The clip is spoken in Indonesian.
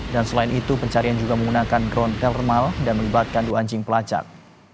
dan selain itu pencarian juga menggunakan drone thermal dan melibatkan doanjing pelacak